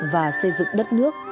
và xây dựng đất nước